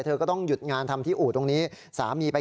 เธอก็ต้องหยุดงานที่อู่ตรงนี้